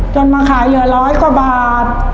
มาขายเหลือร้อยกว่าบาท